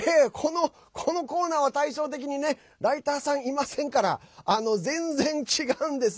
このコーナーは対照的にライターさん、いませんから全然、違うんです。